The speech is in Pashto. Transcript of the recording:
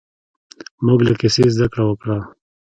موږ له کیسې زده کړه وکړه.